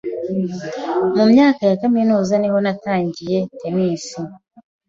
Mu myaka ya kaminuza niho natangiye tennis.